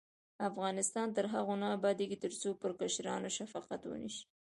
افغانستان تر هغو نه ابادیږي، ترڅو پر کشرانو شفقت ونشي.